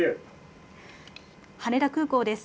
羽田空港です。